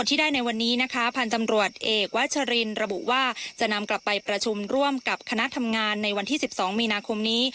ที่ได้ในวันนี้นะคะพันธ์ตำรวจเอกวัชรินระบุว่าจะนำกลับไปประชุมร่วมกับคณะทำงานในวันที่๑๒มีนาคมนี้